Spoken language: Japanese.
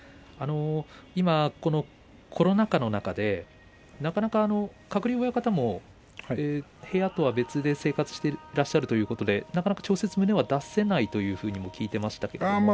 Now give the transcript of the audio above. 今、コロナ禍の中でなかなか鶴竜親方も部屋とは別で生活していらっしゃるということで直接、胸は出せないと聞いていましたけれど。